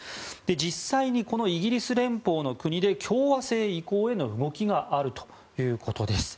実際にこのイギリス連邦の国で共和制移行への動きがあるということです。